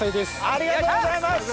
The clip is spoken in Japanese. ありがとうございます！